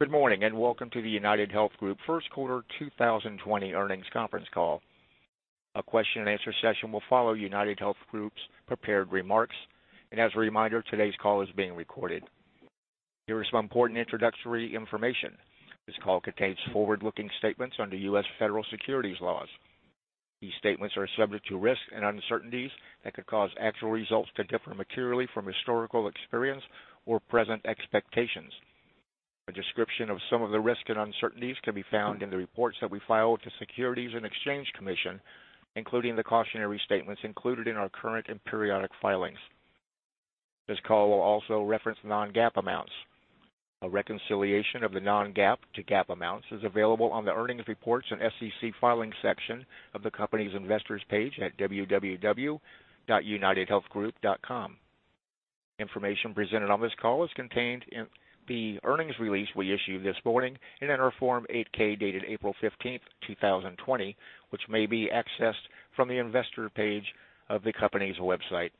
Good morning, and welcome to the UnitedHealth Group First Quarter 2020 Earnings Conference Call. A question and answer session will follow UnitedHealth Group's prepared remarks. As a reminder, today's call is being recorded. Here is some important introductory information. This call contains forward-looking statements under U.S. federal securities laws. These statements are subject to risks and uncertainties that could cause actual results to differ materially from historical experience or present expectations. A description of some of the risks and uncertainties can be found in the reports that we file to Securities and Exchange Commission, including the cautionary statements included in our current and periodic filings. This call will also reference non-GAAP amounts. A reconciliation of the non-GAAP to GAAP amounts is available on the earnings reports and SEC filing section of the company's investors page at www.unitedhealthgroup.com. Information presented on this call is contained in the earnings release we issued this morning and in our Form 8-K dated April 15, 2020, which may be accessed from the investor page of the company's website.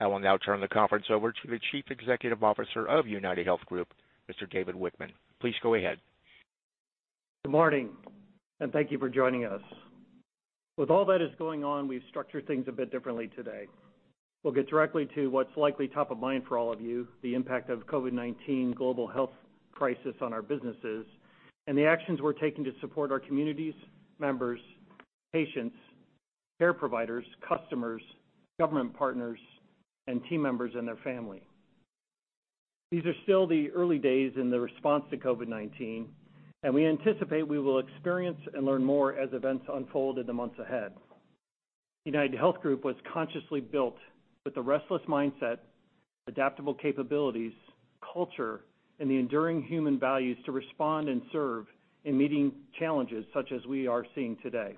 I will now turn the conference over to the Chief Executive Officer of UnitedHealth Group, Mr. David Wichmann. Please go ahead. Good morning, and thank you for joining us. With all that is going on, we've structured things a bit differently today. We'll get directly to what's likely top of mind for all of you, the impact of COVID-19 global health crisis on our businesses and the actions we're taking to support our communities, members, patients, care providers, customers, government partners, and team members and their family. These are still the early days in the response to COVID-19, and we anticipate we will experience and learn more as events unfold in the months ahead. UnitedHealth Group was consciously built with the restless mindset, adaptable capabilities, culture, and the enduring human values to respond and serve in meeting challenges such as we are seeing today.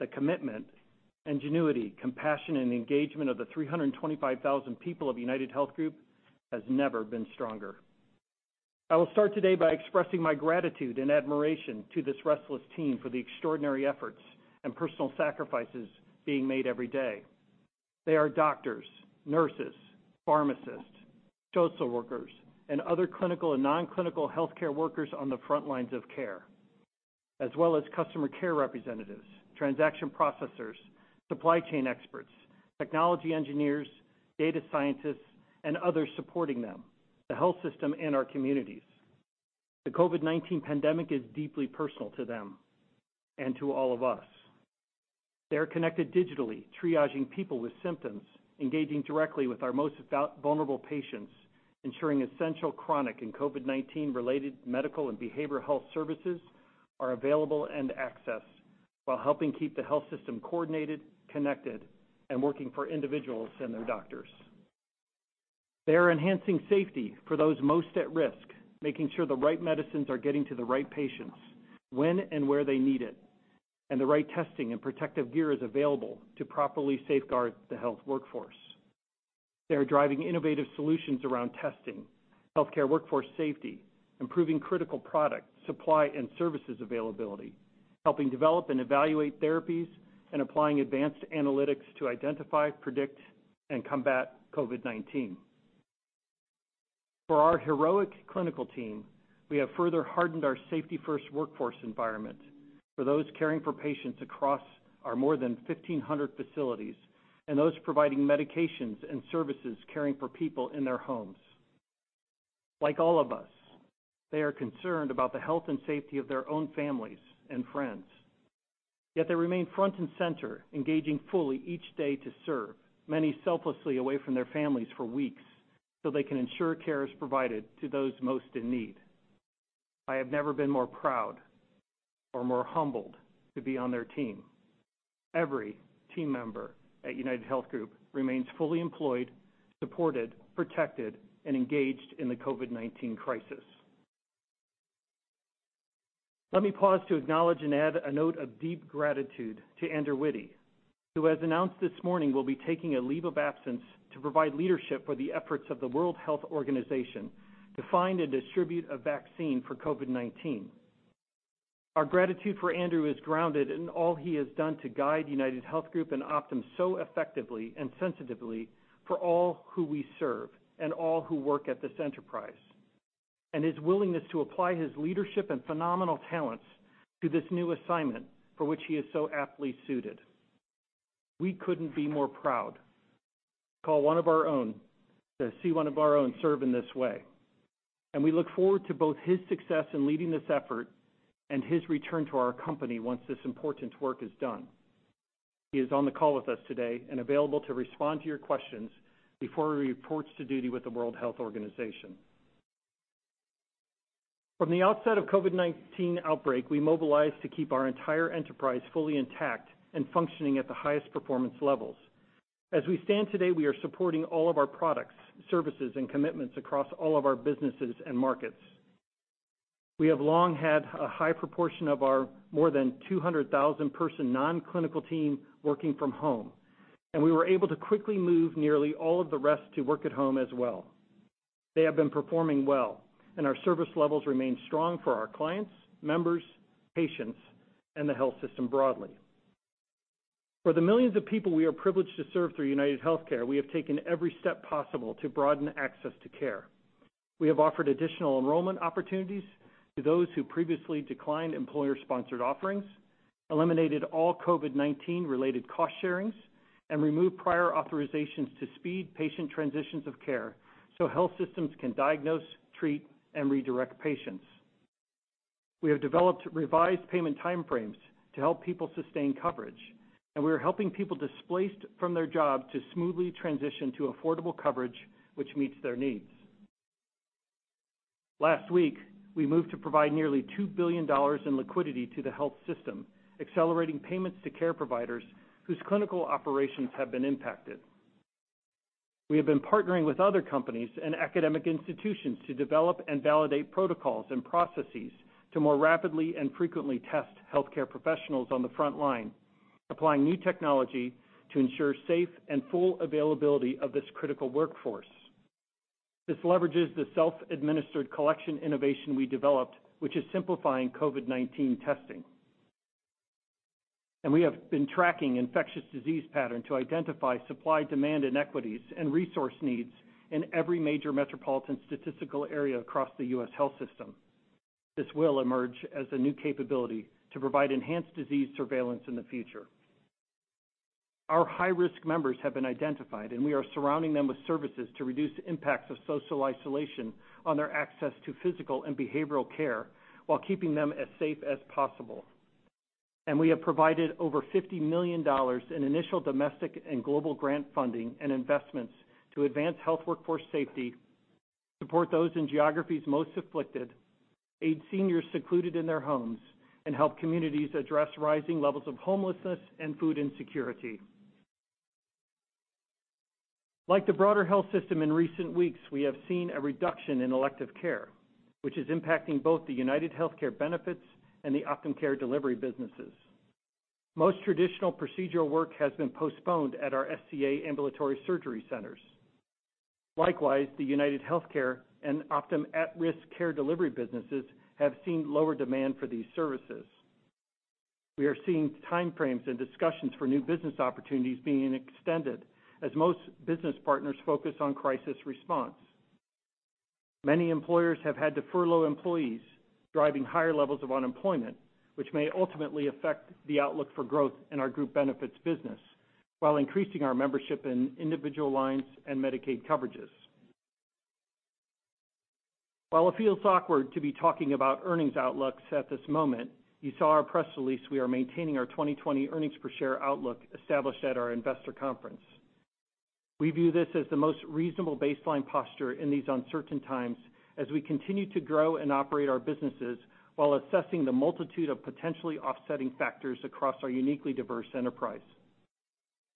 The commitment, ingenuity, compassion, and engagement of the 325,000 people of UnitedHealth Group has never been stronger. I will start today by expressing my gratitude and admiration to this restless team for the extraordinary efforts and personal sacrifices being made every day. They are doctors, nurses, pharmacists, social workers, and other clinical and non-clinical healthcare workers on the front lines of care, as well as customer care representatives, transaction processors, supply chain experts, technology engineers, data scientists, and others supporting them, the health system, and our communities. The COVID-19 pandemic is deeply personal to them and to all of us. They're connected digitally, triaging people with symptoms, engaging directly with our most vulnerable patients, ensuring essential chronic and COVID-19 related medical and behavioral health services are available and accessed while helping keep the health system coordinated, connected, and working for individuals and their doctors. They are enhancing safety for those most at risk, making sure the right medicines are getting to the right patients when and where they need it, and the right testing and protective gear is available to properly safeguard the health workforce. They are driving innovative solutions around testing, healthcare workforce safety, improving critical product, supply, and services availability, helping develop and evaluate therapies, and applying advanced analytics to identify, predict, and combat COVID-19. For our heroic clinical team, we have further hardened our safety-first workforce environment for those caring for patients across our more than 1,500 facilities and those providing medications and services caring for people in their homes. Like all of us, they are concerned about the health and safety of their own families and friends. They remain front and center, engaging fully each day to serve, many selflessly away from their families for weeks so they can ensure care is provided to those most in need. I have never been more proud or more humbled to be on their team. Every team member at UnitedHealth Group remains fully employed, supported, protected, and engaged in the COVID-19 crisis. Let me pause to acknowledge and add a note of deep gratitude to Andrew Witty, who has announced this morning will be taking a leave of absence to provide leadership for the efforts of the World Health Organization to find and distribute a vaccine for COVID-19. Our gratitude for Andrew is grounded in all he has done to guide UnitedHealth Group and Optum so effectively and sensitively for all who we serve and all who work at this enterprise, and his willingness to apply his leadership and phenomenal talents to this new assignment for which he is so aptly suited. We couldn't be more proud to see one of our own serve in this way, and we look forward to both his success in leading this effort and his return to our company once this important work is done. He is on the call with us today and available to respond to your questions before he reports to duty with the World Health Organization. From the outset of COVID-19 outbreak, we mobilized to keep our entire enterprise fully intact and functioning at the highest performance levels. As we stand today, we are supporting all of our products, services, and commitments across all of our businesses and markets. We have long had a high proportion of our more than 200,000 person non-clinical team working from home, and we were able to quickly move nearly all of the rest to work at home as well. They have been performing well, and our service levels remain strong for our clients, members, patients, and the health system broadly. For the millions of people we are privileged to serve through UnitedHealthcare, we have taken every step possible to broaden access to care. We have offered additional enrollment opportunities to those who previously declined employer-sponsored offerings, eliminated all COVID-19 related cost-sharings, and removed prior authorizations to speed patient transitions of care so health systems can diagnose, treat, and redirect patients. We have developed revised payment timeframes to help people sustain coverage, and we are helping people displaced from their jobs to smoothly transition to affordable coverage which meets their needs. Last week, we moved to provide nearly $2 billion in liquidity to the health system, accelerating payments to care providers whose clinical operations have been impacted. We have been partnering with other companies and academic institutions to develop and validate protocols and processes to more rapidly and frequently test healthcare professionals on the front line, applying new technology to ensure safe and full availability of this critical workforce. This leverages the self-administered collection innovation we developed, which is simplifying COVID-19 testing. We have been tracking infectious disease pattern to identify supply-demand inequities and resource needs in every major metropolitan statistical area across the U.S. health system. This will emerge as a new capability to provide enhanced disease surveillance in the future. Our high-risk members have been identified, we are surrounding them with services to reduce the impacts of social isolation on their access to physical and behavioral care while keeping them as safe as possible. We have provided over $50 million in initial domestic and global grant funding and investments to advance health workforce safety, support those in geographies most afflicted, aid seniors secluded in their homes, and help communities address rising levels of homelessness and food insecurity. Like the broader health system in recent weeks, we have seen a reduction in elective care, which is impacting both the UnitedHealthcare benefits and the OptumCare delivery businesses. Most traditional procedural work has been postponed at our SCA ambulatory surgery centers. Likewise, the UnitedHealthcare and Optum at-risk care delivery businesses have seen lower demand for these services. We are seeing timeframes and discussions for new business opportunities being extended as most business partners focus on crisis response. Many employers have had to furlough employees, driving higher levels of unemployment, which may ultimately affect the outlook for growth in our group benefits business while increasing our membership in individual lines and Medicaid coverages. While it feels awkward to be talking about earnings outlooks at this moment, you saw our press release, we are maintaining our 2020 earnings per share outlook established at our investor conference. We view this as the most reasonable baseline posture in these uncertain times as we continue to grow and operate our businesses while assessing the multitude of potentially offsetting factors across our uniquely diverse enterprise.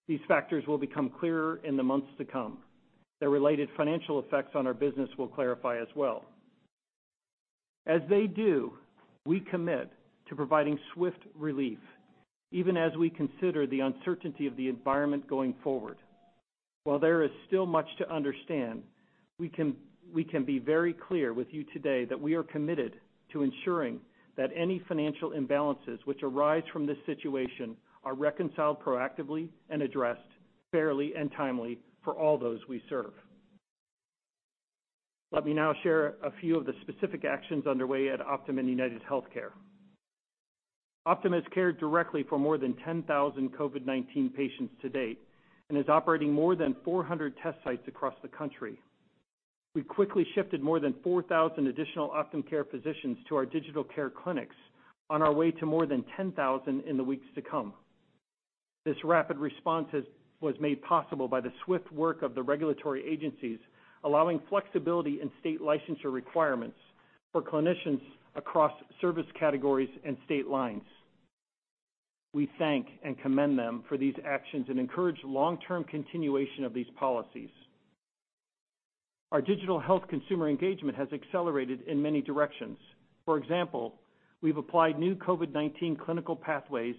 These factors will become clearer in the months to come. Their related financial effects on our business will clarify as well. As they do, we commit to providing swift relief, even as we consider the uncertainty of the environment going forward. While there is still much to understand, we can be very clear with you today that we are committed to ensuring that any financial imbalances which arise from this situation are reconciled proactively and addressed fairly and timely for all those we serve. Let me now share a few of the specific actions underway at Optum and UnitedHealthcare. Optum has cared directly for more than 10,000 COVID-19 patients to date and is operating more than 400 test sites across the country. We quickly shifted more than 4,000 additional OptumCare physicians to our digital care clinics on our way to more than 10,000 in the weeks to come. This rapid response was made possible by the swift work of the regulatory agencies, allowing flexibility in state licensure requirements for clinicians across service categories and state lines. We thank and commend them for these actions and encourage long-term continuation of these policies. Our digital health consumer engagement has accelerated in many directions. For example, we've applied new COVID-19 clinical pathways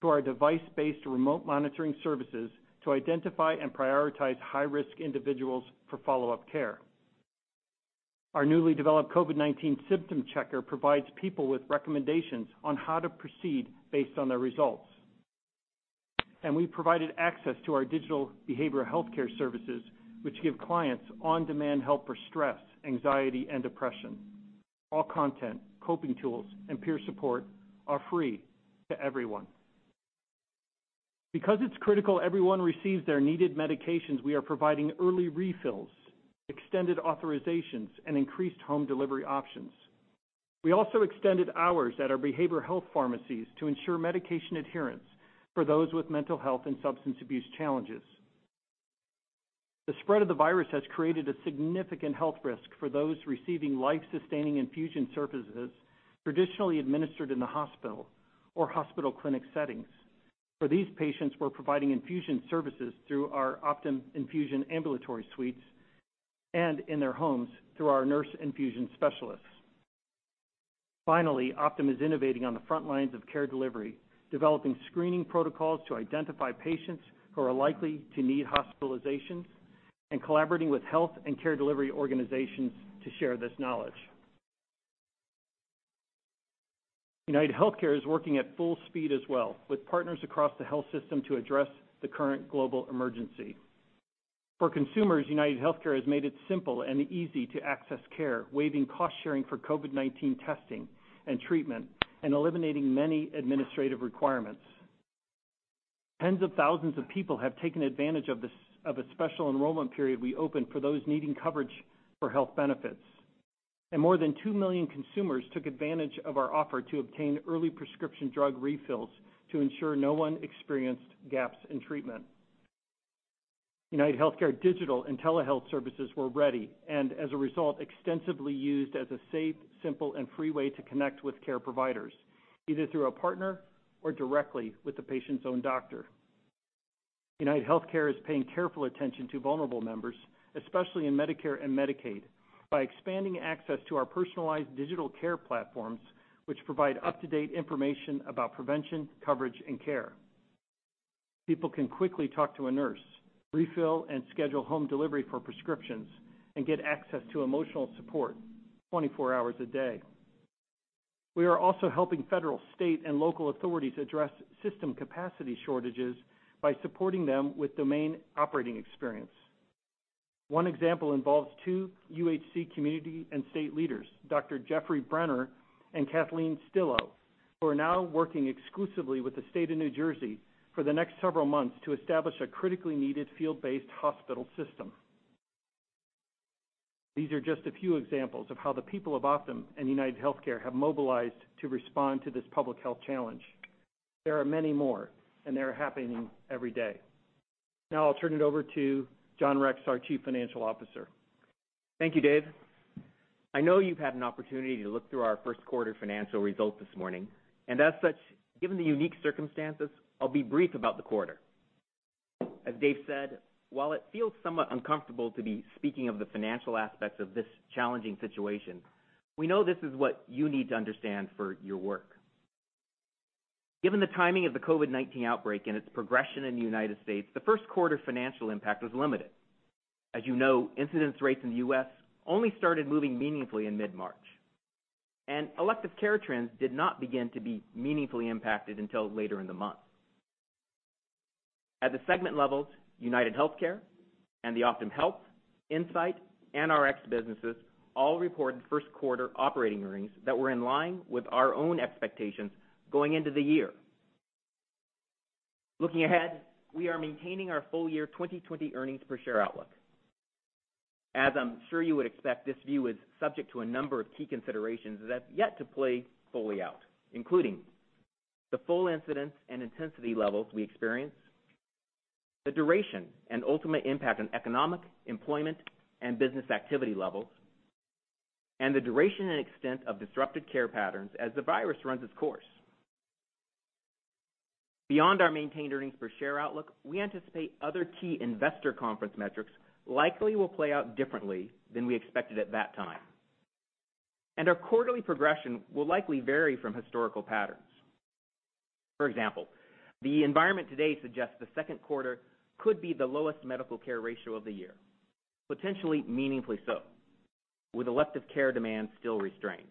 to our device-based remote monitoring services to identify and prioritize high-risk individuals for follow-up care. Our newly developed COVID-19 symptom checker provides people with recommendations on how to proceed based on their results. We provided access to our digital behavioral healthcare services, which give clients on-demand help for stress, anxiety, and depression. All content, coping tools, and peer support are free to everyone. Because it's critical everyone receives their needed medications, we are providing early refills, extended authorizations, and increased home delivery options. We also extended hours at our behavioral health pharmacies to ensure medication adherence for those with mental health and substance abuse challenges. The spread of the virus has created a significant health risk for those receiving life-sustaining infusion services traditionally administered in the hospital or hospital clinic settings. For these patients, we're providing infusion services through our Optum Infusion Ambulatory Suites and in their homes through our nurse infusion specialists. Finally, Optum is innovating on the front lines of care delivery, developing screening protocols to identify patients who are likely to need hospitalizations and collaborating with health and care delivery organizations to share this knowledge. UnitedHealthcare is working at full speed as well with partners across the health system to address the current global emergency. For consumers, UnitedHealthcare has made it simple and easy to access care, waiving cost-sharing for COVID-19 testing and treatment, and eliminating many administrative requirements. Tens of thousands of people have taken advantage of a special enrollment period we opened for those needing coverage for health benefits, and more than 2 million consumers took advantage of our offer to obtain early prescription drug refills to ensure no one experienced gaps in treatment. UnitedHealthcare digital and telehealth services were ready, and as a result, extensively used as a safe, simple, and free way to connect with care providers, either through a partner or directly with the patient's own doctor. UnitedHealthcare is paying careful attention to vulnerable members, especially in Medicare and Medicaid, by expanding access to our personalized digital care platforms, which provide up-to-date information about prevention, coverage, and care. People can quickly talk to a nurse, refill and schedule home delivery for prescriptions, and get access to emotional support 24 hours a day. We are also helping federal, state, and local authorities address system capacity shortages by supporting them with domain operating experience. One example involves two UHC Community & State leaders, Dr. Jeffrey Brenner and Kathleen Stillo, who are now working exclusively with the state of New Jersey for the next several months to establish a critically needed field-based hospital system. These are just a few examples of how the people of Optum and UnitedHealthcare have mobilized to respond to this public health challenge. There are many more, and they are happening every day. Now I'll turn it over to John Rex, our Chief Financial Officer. Thank you, Dave. I know you've had an opportunity to look through our first quarter financial results this morning, and as such, given the unique circumstances, I'll be brief about the quarter. As Dave said, while it feels somewhat uncomfortable to be speaking of the financial aspects of this challenging situation, we know this is what you need to understand for your work. Given the timing of the COVID-19 outbreak and its progression in the United States, the first quarter financial impact was limited. As you know, incidence rates in the U.S. only started moving meaningfully in mid-March, and elective care trends did not begin to be meaningfully impacted until later in the month. At the segment levels, UnitedHealthcare and the OptumHealth, OptumInsight, and OptumRx businesses all reported first quarter operating earnings that were in line with our own expectations going into the year. Looking ahead, we are maintaining our full year 2020 earnings per share outlook. As I'm sure you would expect, this view is subject to a number of key considerations that have yet to play fully out, including the full incidence and intensity levels we experience, the duration and ultimate impact on economic, employment, and business activity levels, and the duration and extent of disrupted care patterns as the virus runs its course. Beyond our maintained earnings per share outlook, we anticipate other key investor conference metrics likely will play out differently than we expected at that time. Our quarterly progression will likely vary from historical patterns. For example, the environment today suggests the second quarter could be the lowest medical care ratio of the year, potentially meaningfully so, with elective care demand still restrained.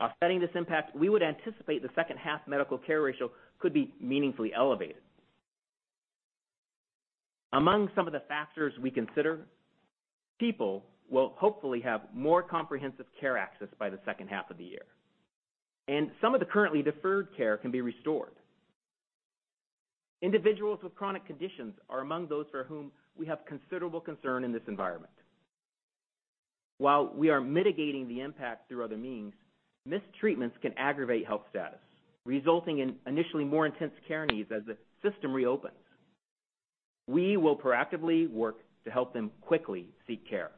Offsetting this impact, we would anticipate the second half medical care ratio could be meaningfully elevated. Among some of the factors we consider, people will hopefully have more comprehensive care access by the second half of the year, and some of the currently deferred care can be restored. Individuals with chronic conditions are among those for whom we have considerable concern in this environment. While we are mitigating the impact through other means, missed treatments can aggravate health status, resulting in initially more intense care needs as the system reopens. We will proactively work to help them quickly seek care.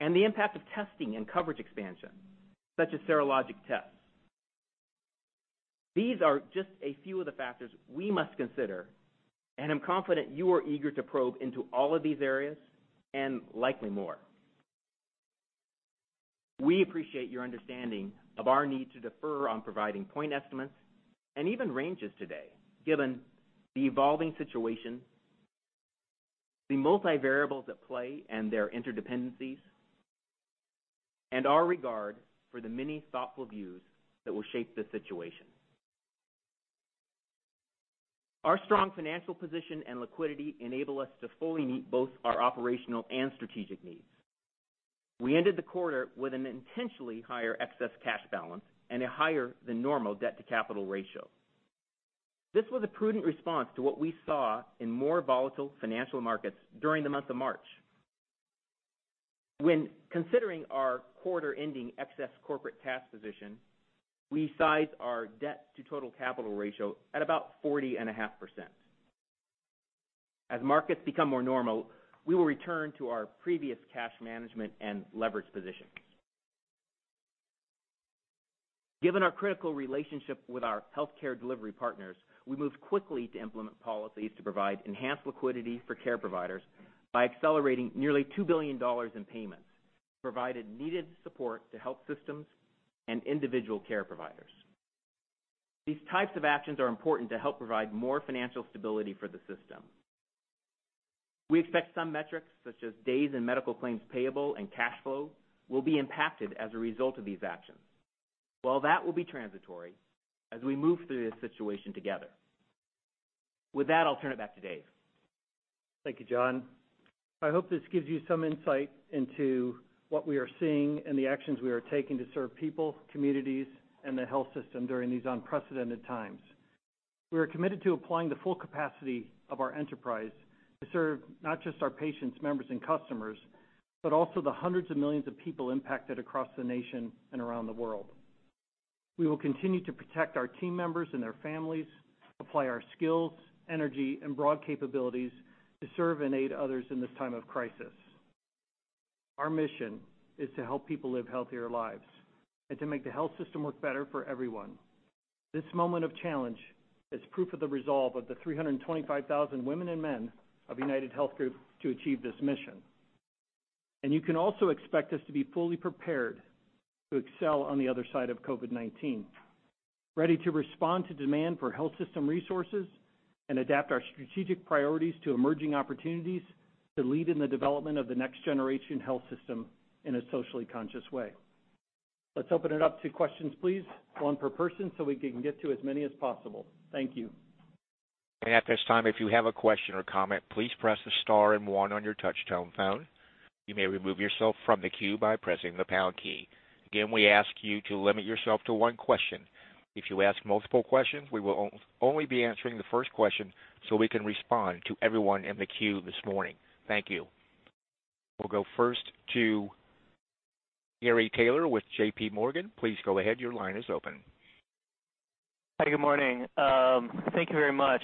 The impact of testing and coverage expansion, such as serologic tests. These are just a few of the factors we must consider, and I'm confident you are eager to probe into all of these areas and likely more. We appreciate your understanding of our need to defer on providing point estimates and even ranges today, given the evolving situation, the multivariables at play and their interdependencies, and our regard for the many thoughtful views that will shape the situation. Our strong financial position and liquidity enable us to fully meet both our operational and strategic needs. We ended the quarter with an intentionally higher excess cash balance and a higher than normal debt to capital ratio. This was a prudent response to what we saw in more volatile financial markets during the month of March. When considering our quarter ending excess corporate cash position, we size our debt to total capital ratio at about 40.5%. As markets become more normal, we will return to our previous cash management and leverage position. Given our critical relationship with our healthcare delivery partners, we moved quickly to implement policies to provide enhanced liquidity for care providers by accelerating nearly $2 billion in payments, provided needed support to health systems and individual care providers. These types of actions are important to help provide more financial stability for the system. We expect some metrics, such as days in medical claims payable and cash flow, will be impacted as a result of these actions. That will be transitory as we move through this situation together. With that, I'll turn it back to Dave. Thank you, John. I hope this gives you some insight into what we are seeing and the actions we are taking to serve people, communities, and the health system during these unprecedented times. We are committed to applying the full capacity of our enterprise to serve not just our patients, members, and customers, but also the hundreds of millions of people impacted across the nation and around the world. We will continue to protect our team members and their families, apply our skills, energy, and broad capabilities to serve and aid others in this time of crisis. Our mission is to help people live healthier lives and to make the health system work better for everyone. This moment of challenge is proof of the resolve of the 325,000 women and men of UnitedHealth Group to achieve this mission. You can also expect us to be fully prepared to excel on the other side of COVID-19, ready to respond to demand for health system resources and adapt our strategic priorities to emerging opportunities to lead in the development of the next generation health system in a socially conscious way. Let's open it up to questions, please. One per person so we can get to as many as possible. Thank you. At this time, if you have a question or comment, please press the star and one on your touch-tone phone. You may remove yourself from the queue by pressing the pound key. Again, we ask you to limit yourself to one question. If you ask multiple questions, we will only be answering the first question so we can respond to everyone in the queue this morning. Thank you. We'll go first to Gary Taylor with JPMorgan. Please go ahead. Your line is open. Hi, good morning. Thank you very much.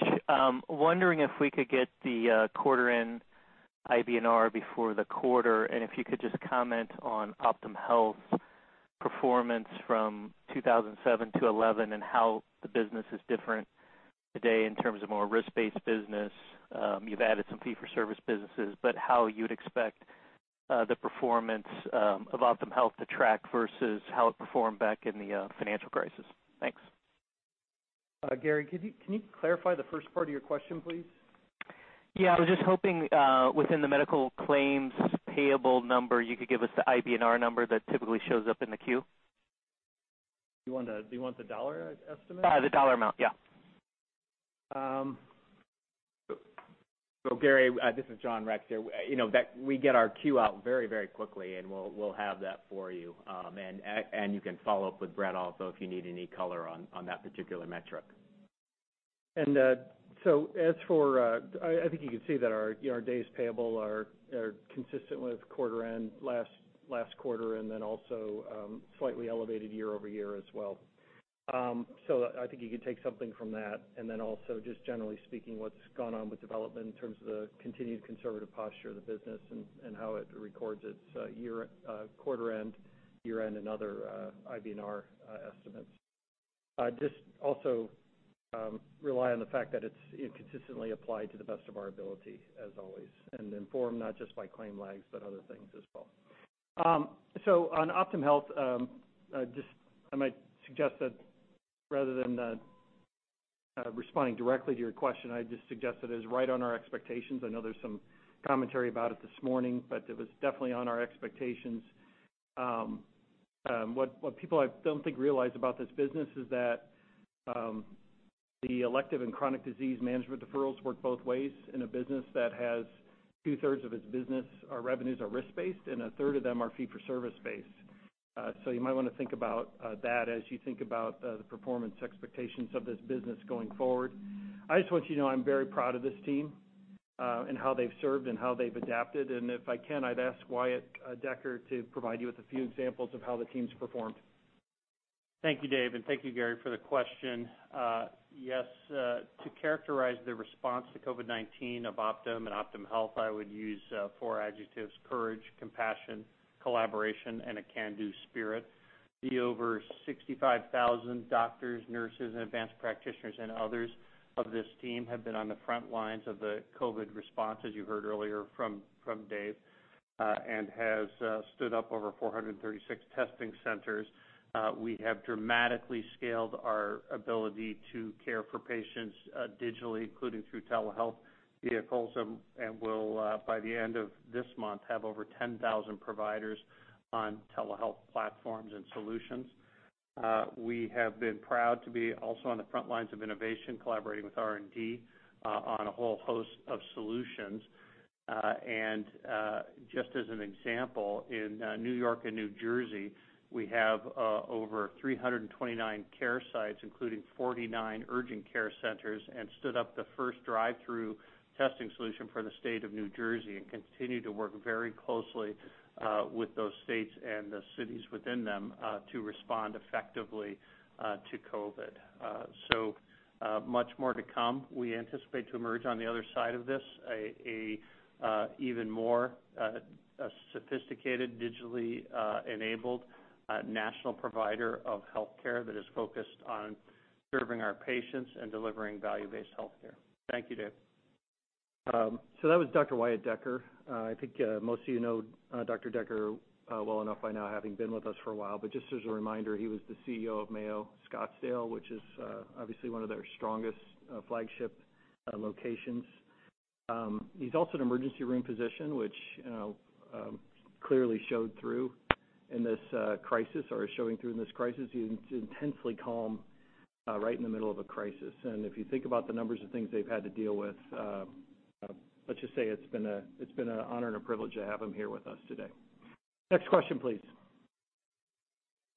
Wondering if we could get the quarter end IBNR before the quarter, and if you could just comment on OptumHealth's performance from 2007 to 2011 and how the business is different today in terms of more risk-based business. You've added some fee-for-service businesses, but how you'd expect the performance of OptumHealth to track versus how it performed back in the financial crisis? Thanks. Gary, can you clarify the first part of your question, please? Yeah, I was just hoping within the medical claims payable number, you could give us the IBNR number that typically shows up in the Q. Do you want the dollar estimate? The dollar amount, yeah. Gary, this is John Rex here. We get our Q out very quickly, and we'll have that for you. You can follow up with Brett also if you need any color on that particular metric. I think you can see that our days payable are consistent with quarter end last quarter and then also slightly elevated year-over-year as well. I think you can take something from that. Then also, just generally speaking, what's gone on with development in terms of the continued conservative posture of the business and how it records its quarter end, year end and other IBNR estimates. Just also rely on the fact that it's consistently applied to the best of our ability as always, and informed not just by claim lags, but other things as well. On OptumHealth, I might suggest that rather than responding directly to your question, I'd just suggest that it is right on our expectations. I know there's some commentary about it this morning, but it was definitely on our expectations. What people I don't think realize about this business is that the elective and chronic disease management deferrals work both ways in a business that has two-thirds of its business or revenues are risk-based, and a third of them are fee-for-service based. You might want to think about that as you think about the performance expectations of this business going forward. I just want you to know I'm very proud of this team, and how they've served and how they've adapted. If I can, I'd ask Wyatt Decker to provide you with a few examples of how the team's performed. Thank you, Dave, and thank you, Gary, for the question. Yes, to characterize the response to COVID-19 of Optum and OptumHealth, I would use four adjectives, courage, compassion, collaboration, and a can-do spirit. The over 65,000 doctors, nurses, and advanced practitioners and others of this team have been on the front lines of the COVID response, as you heard earlier from Dave. Has stood up over 436 testing centers. We have dramatically scaled our ability to care for patients digitally, including through telehealth vehicles, and will, by the end of this month, have over 10,000 providers on telehealth platforms and solutions. We have been proud to be also on the front lines of innovation, collaborating with R&D on a whole host of solutions. Just as an example, in New York and New Jersey, we have over 329 care sites, including 49 urgent care centers, and stood up the first drive-through testing solution for the state of New Jersey and continue to work very closely with those states and the cities within them to respond effectively to COVID. Much more to come. We anticipate to emerge on the other side of this even more sophisticated, digitally enabled national provider of healthcare that is focused on serving our patients and delivering value-based healthcare. Thank you, Dave. That was Dr. Wyatt Decker. I think most of you know Dr. Decker well enough by now, having been with us for a while. Just as a reminder, he was the CEO of Mayo Clinic, which is obviously one of their strongest flagship locations. He's also an emergency room physician, which clearly showed through in this crisis, or is showing through in this crisis. He's intensely calm right in the middle of a crisis. If you think about the numbers of things they've had to deal with, let's just say it's been an honor and a privilege to have him here with us today. Next question, please.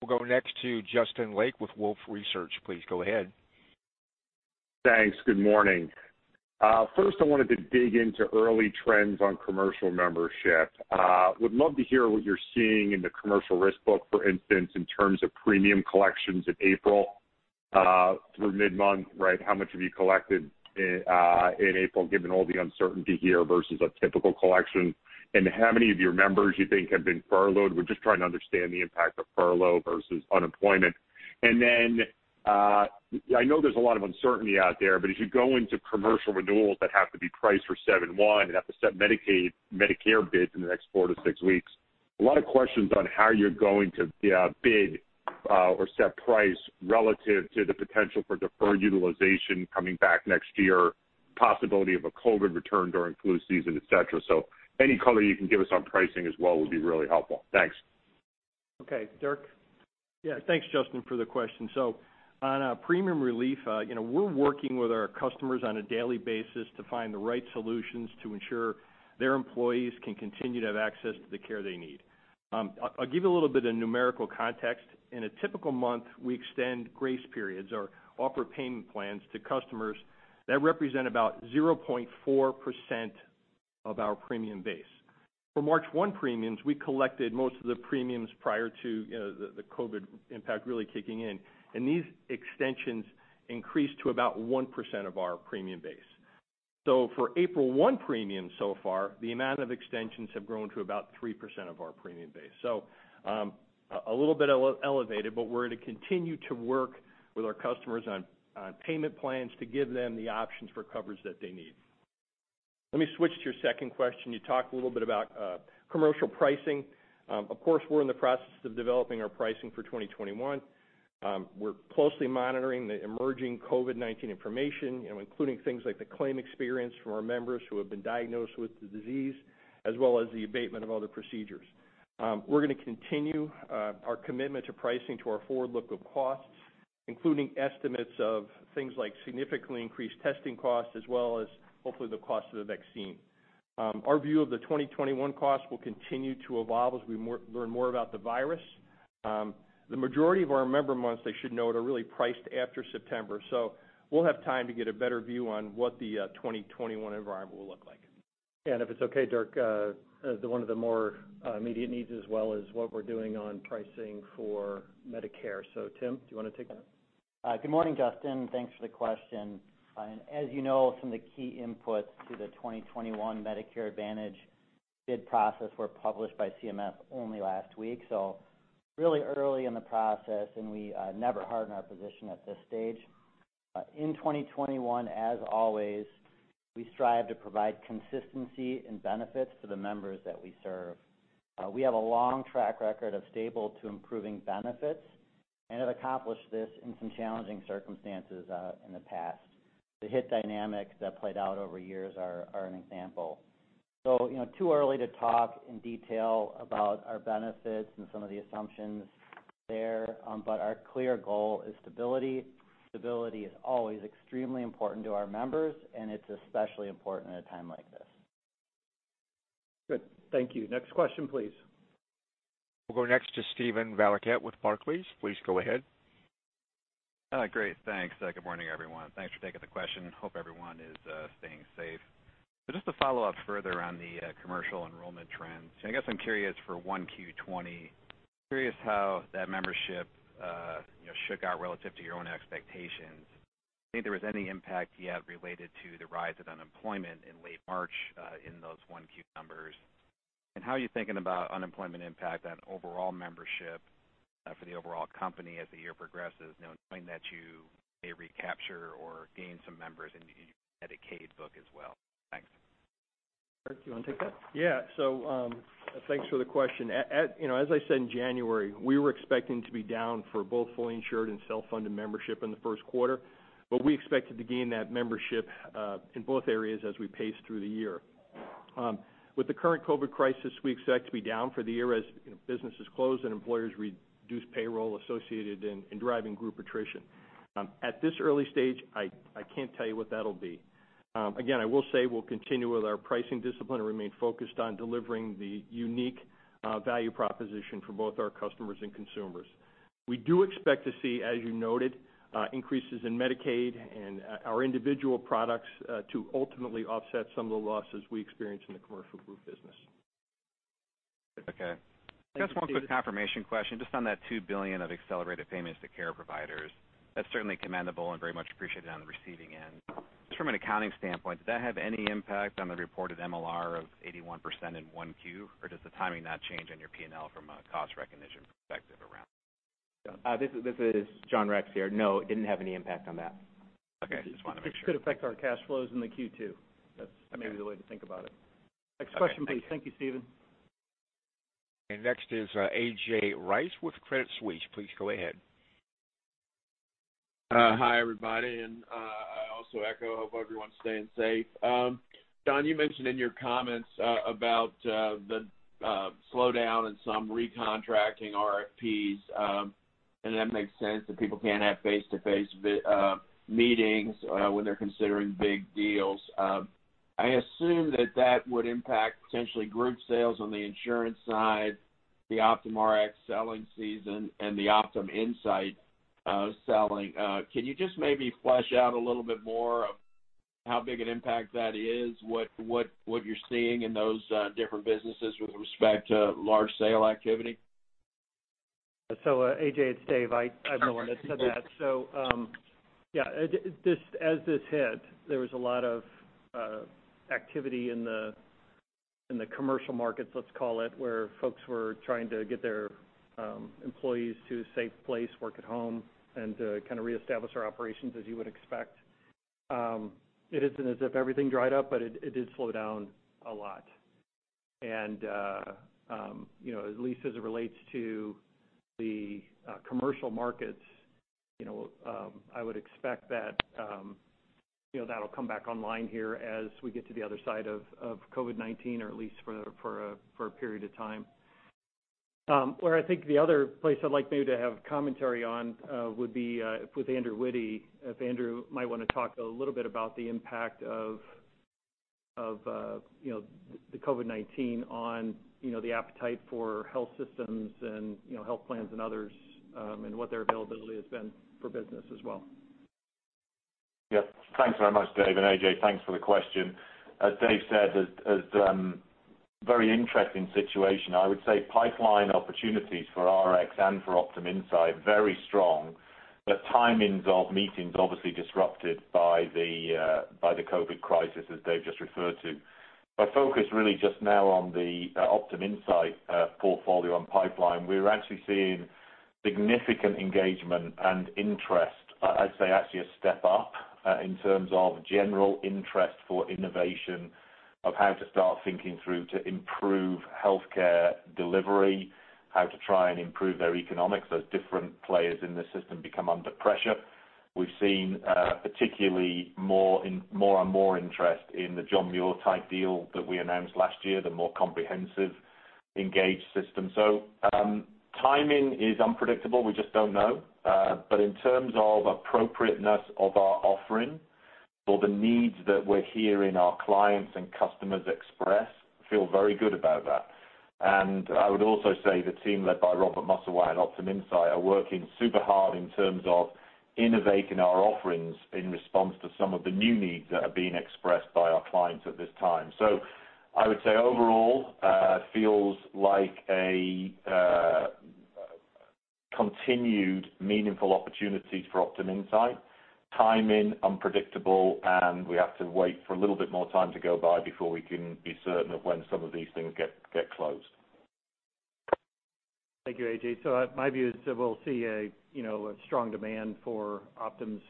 We'll go next to Justin Lake with Wolfe Research. Please go ahead. Thanks. Good morning. First, I wanted to dig into early trends on commercial membership. Would love to hear what you're seeing in the commercial risk book, for instance, in terms of premium collections in April through mid-month, right? How much have you collected in April, given all the uncertainty here versus a typical collection? How many of your members you think have been furloughed? We're just trying to understand the impact of furlough versus unemployment. I know there's a lot of uncertainty out there, but as you go into commercial renewals that have to be priced for 2021 and have to set Medicare bids in the next four to six weeks, a lot of questions on how you're going to bid or set price relative to the potential for deferred utilization coming back next year, possibility of a COVID return during flu season, et cetera. Any color you can give us on pricing as well would be really helpful. Thanks. Okay. Dirk? Thanks, Justin, for the question. On premium relief, we're working with our customers on a daily basis to find the right solutions to ensure their employees can continue to have access to the care they need. I'll give you a little bit of numerical context. In a typical month, we extend grace periods or offer payment plans to customers that represent about 0.4% of our premium base. For March 1 premiums, we collected most of the premiums prior to the COVID-19 impact really kicking in, and these extensions increased to about 1% of our premium base. For April 1 premiums so far, the amount of extensions have grown to about 3% of our premium base. A little bit elevated, but we're going to continue to work with our customers on payment plans to give them the options for coverage that they need. Let me switch to your second question. You talked a little bit about commercial pricing. Of course, we're in the process of developing our pricing for 2021. We're closely monitoring the emerging COVID-19 information, including things like the claim experience from our members who have been diagnosed with the disease, as well as the abatement of other procedures. We're going to continue our commitment to pricing to our forward look of costs, including estimates of things like significantly increased testing costs, as well as hopefully the cost of the vaccine. Our view of the 2021 costs will continue to evolve as we learn more about the virus. The majority of our member months, they should note, are really priced after September, so we'll have time to get a better view on what the 2021 environment will look like. If it's okay, Dirk, one of the more immediate needs as well is what we're doing on pricing for Medicare. Tim, do you want to take that? Good morning, Justin. Thanks for the question. As you know, some of the key inputs to the 2021 Medicare Advantage bid process were published by CMS only last week, so really early in the process, and we never harden our position at this stage. In 2021, as always, we strive to provide consistency and benefits to the members that we serve. We have a long track record of stable to improving benefits and have accomplished this in some challenging circumstances in the past. The HIT dynamics that played out over years are an example. Too early to talk in detail about our benefits and some of the assumptions there, but our clear goal is stability. Stability is always extremely important to our members, and it's especially important at a time like this. Good. Thank you. Next question, please. We'll go next to Steven Valiquette with Barclays. Please go ahead. Great. Thanks. Good morning, everyone. Thanks for taking the question. Hope everyone is staying safe. Just to follow up further on the commercial enrollment trends, I guess I'm curious for 1Q 2020, curious how that membership shook out relative to your own expectations. I don't think there was any impact yet related to the rise in unemployment in late March in those 1Q numbers. How are you thinking about unemployment impact on overall membership for the overall company as the year progresses, knowing that you may recapture or gain some members in your Medicaid book as well? Thanks. Dirk, do you want to take that? Thanks for the question. As I said, in January, we were expecting to be down for both fully insured and self-funded membership in the first quarter, but we expected to gain that membership in both areas as we paced through the year. With the current COVID crisis, we expect to be down for the year as businesses close and employers reduce payroll associated in driving group attrition. At this early stage, I can't tell you what that'll be. Again, I will say we'll continue with our pricing discipline and remain focused on delivering the unique value proposition for both our customers and consumers. We do expect to see, as you noted, increases in Medicaid and our individual products to ultimately offset some of the losses we experience in the commercial group business. Okay. Just one quick confirmation question, just on that $2 billion of accelerated payments to care providers. That's certainly commendable and very much appreciated on the receiving end. Just from an accounting standpoint, did that have any impact on the reported MLR of 81% in 1Q, or does the timing not change on your P&L from a cost recognition perspective around that? This is John Rex here. No, it didn't have any impact on that. Okay. Just wanted to make sure. It could affect our cash flows in the Q2. That may be the way to think about it. Next question, please. Thank you, Steven. Next is A.J. Rice with Credit Suisse. Please go ahead. Hi, everybody, I also echo, hope everyone's staying safe. John, you mentioned in your comments about the slowdown in some recontracting RFPs, that makes sense, that people can't have face-to-face meetings when they're considering big deals. I assume that that would impact potentially group sales on the insurance side, the OptumRx selling season, the OptumInsight selling. Can you just maybe flesh out a little bit more of how big an impact that is, what you're seeing in those different businesses with respect to large sale activity? A.J., it's Dave. I'm the one that said that. Yeah, as this hit, there was a lot of activity in the commercial markets, let's call it, where folks were trying to get their employees to a safe place, work at home, and to kind of reestablish our operations as you would expect. It isn't as if everything dried up, but it did slow down a lot. At least as it relates to the commercial markets, I would expect that'll come back online here as we get to the other side of COVID-19, or at least for a period of time. Where I think the other place I'd like maybe to have commentary on would be with Andrew Witty. If Andrew might want to talk a little bit about the impact of the COVID-19 on the appetite for health systems and health plans and others, and what their availability has been for business as well. Yep. Thanks very much, Dave, and A.J., thanks for the question. As Dave said, a very interesting situation. I would say pipeline opportunities for Rx and for OptumInsight, very strong. Timings of meetings obviously disrupted by the COVID crisis, as Dave just referred to. Focused really just now on the OptumInsight portfolio and pipeline. We are actually seeing significant engagement and interest, I would say actually a step up in terms of general interest for innovation, of how to start thinking through to improve healthcare delivery, how to try and improve their economics as different players in the system become under pressure. We have seen particularly more and more interest in the John Muir type deal that we announced last year, the more comprehensive engaged system. Timing is unpredictable. We just don't know. In terms of appropriateness of our offering or the needs that we're hearing our clients and customers express, we feel very good about that. I would also say the team led by Robert Musselman at OptumInsight are working super hard in terms of innovating our offerings in response to some of the new needs that are being expressed by our clients at this time. I would say overall, feels like a continued meaningful opportunity for OptumInsight. Timing, unpredictable, and we have to wait for a little bit more time to go by before we can be certain of when some of these things get closed. Thank you, A.J. My view is that we'll see a strong demand for Optum's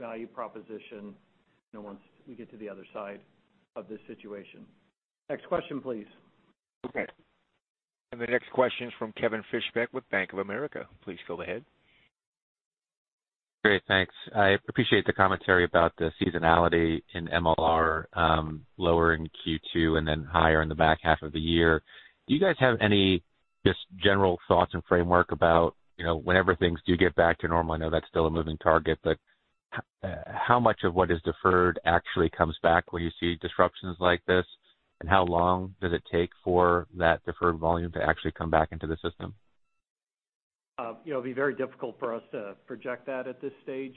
value proposition, once we get to the other side of this situation. Next question, please. Okay. The next question is from Kevin Fischbeck with Bank of America. Please go ahead. Great, thanks. I appreciate the commentary about the seasonality in MLR, lower in Q2 and then higher in the back half of the year. Do you guys have any just general thoughts and framework about, whenever things do get back to normal, I know that's still a moving target, but how much of what is deferred actually comes back when you see disruptions like this, and how long does it take for that deferred volume to actually come back into the system? It'd be very difficult for us to project that at this stage,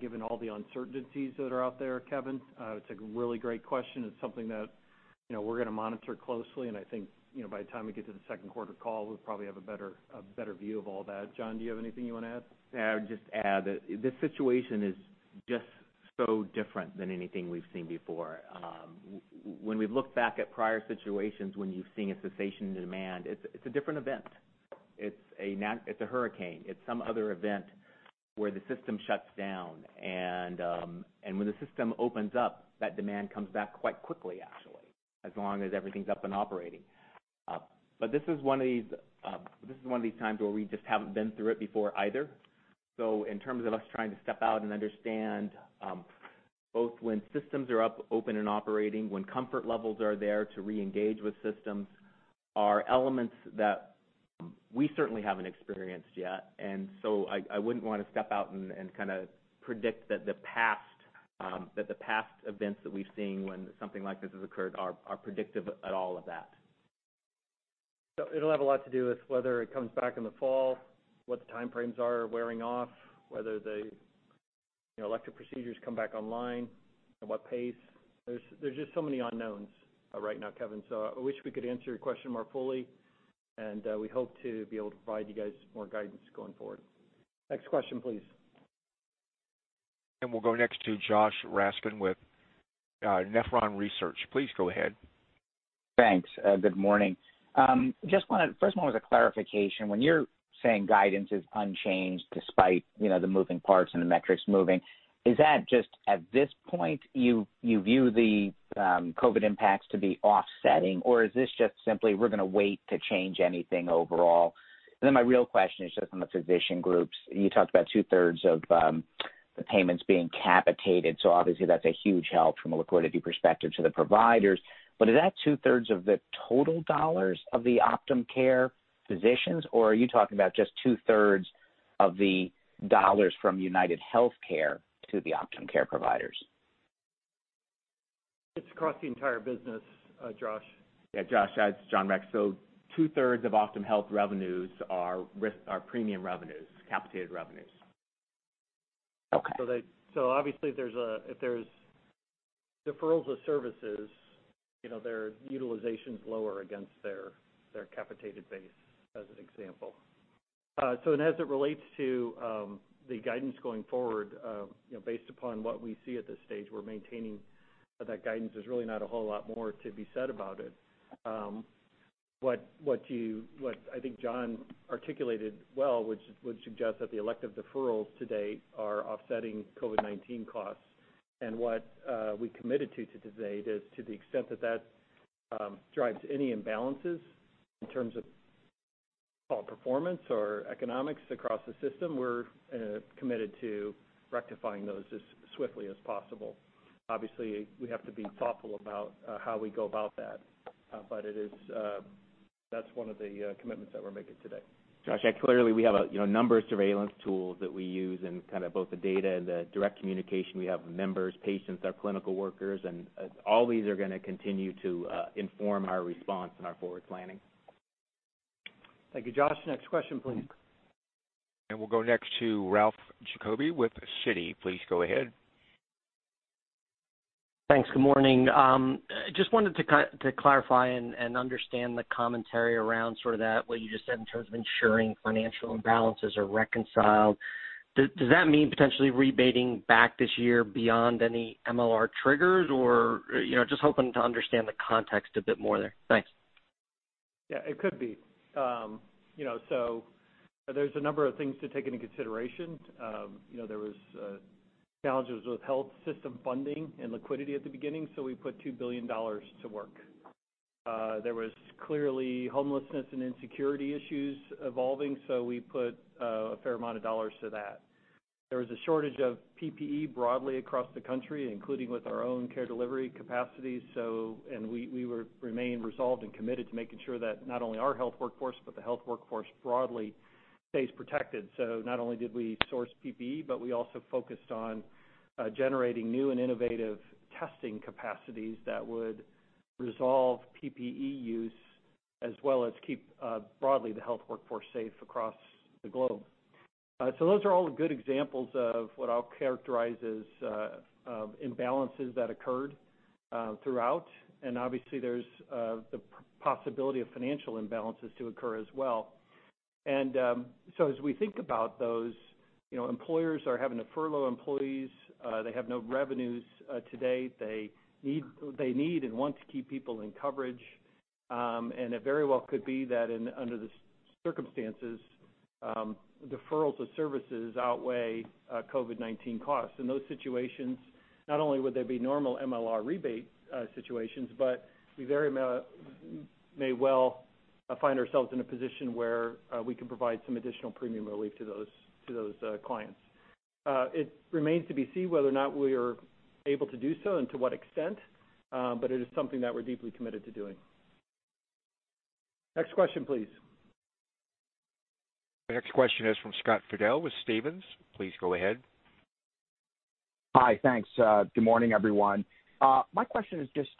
given all the uncertainties that are out there, Kevin. It's a really great question. It's something that we're gonna monitor closely, and I think, by the time we get to the second quarter call, we'll probably have a better view of all that. John, do you have anything you want to add? Yeah, I would just add that this situation is just so different than anything we've seen before. When we've looked back at prior situations when you've seen a cessation in demand, it's a different event. It's a hurricane. It's some other event where the system shuts down. When the system opens up, that demand comes back quite quickly, actually, as long as everything's up and operating. This is one of these times where we just haven't been through it before either. In terms of us trying to step out and understand, both when systems are up, open, and operating, when comfort levels are there to reengage with systems, are elements that we certainly haven't experienced yet. I wouldn't want to step out and kind of predict that the past events that we've seen when something like this has occurred are predictive at all of that. It'll have a lot to do with whether it comes back in the fall, what the time frames are wearing off, whether the elective procedures come back online, at what pace. There's just so many unknowns right now, Kevin. I wish we could answer your question more fully, and we hope to be able to provide you guys more guidance going forward. Next question, please. We'll go next to Josh Raskin with Nephron Research. Please go ahead. Thanks. Good morning. First of all, as a clarification, when you're saying guidance is unchanged despite the moving parts and the metrics moving, is that just at this point, you view the COVID impacts to be offsetting, or is this just simply we're gonna wait to change anything overall? My real question is just on the physician groups. You talked about 2/3 of the payments being capitated, so obviously that's a huge help from a liquidity perspective to the providers. Is that 2/3 of the total dollars of the OptumCare physicians, or are you talking about just 2/3 of the dollars from UnitedHealthcare to the OptumCare providers? It's across the entire business, Josh. Yeah, Josh, it's John Rex. 2/3 of OptumHealth revenues are premium revenues, capitated revenues. Okay. Obviously, if there's deferrals of services, their utilization's lower against their capitated base, as an example. As it relates to the guidance going forward, based upon what we see at this stage, we're maintaining that guidance. There's really not a whole lot more to be said about it. What I think John articulated well, which suggests that the elective deferrals to date are offsetting COVID-19 costs, and what we committed to to date is to the extent that drives any imbalances in terms of performance or economics across the system, we're committed to rectifying those as swiftly as possible. Obviously, we have to be thoughtful about how we go about that. That's one of the commitments that we're making today. Josh, clearly we have a number of surveillance tools that we use in kind of both the data and the direct communication we have with members, patients, our clinical workers, and all these are going to continue to inform our response and our forward planning. Thank you, Josh. Next question please. We'll go next to Ralph Giacobbe with Citi. Please go ahead. Thanks. Good morning. Just wanted to clarify and understand the commentary around sort of that, what you just said in terms of ensuring financial imbalances are reconciled. Does that mean potentially rebating back this year beyond any MLR triggers? Just hoping to understand the context a bit more there. Thanks. Yeah, it could be. There's a number of things to take into consideration. There was challenges with health system funding and liquidity at the beginning, so we put $2 billion to work. There was clearly homelessness and insecurity issues evolving, so we put a fair amount of dollars to that. There was a shortage of PPE broadly across the country, including with our own care delivery capacities, and we remain resolved and committed to making sure that not only our health workforce, but the health workforce broadly stays protected. Not only did we source PPE, but we also focused on generating new and innovative testing capacities that would resolve PPE use as well as keep broadly the health workforce safe across the globe. Those are all good examples of what I'll characterize as imbalances that occurred throughout, and obviously there's the possibility of financial imbalances to occur as well. As we think about those, employers are having to furlough employees. They have no revenues to date. They need and want to keep people in coverage. It very well could be that under the circumstances, deferrals of services outweigh COVID-19 costs. In those situations, not only would they be normal MLR rebate situations, but we very may well find ourselves in a position where we can provide some additional premium relief to those clients. It remains to be seen whether or not we are able to do so, and to what extent, but it is something that we're deeply committed to doing. Next question, please. The next question is from Scott Fidel with Stephens. Please go ahead. Hi. Thanks. Good morning, everyone. My question is just